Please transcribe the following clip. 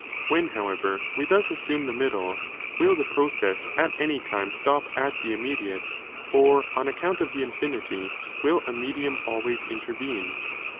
When however we thus assume the middle, will (the process) at any time stop at the immediate, or on account of the infinity will a mediom always intervene